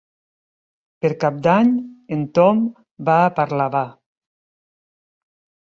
Per Cap d'Any en Tom va a Parlavà.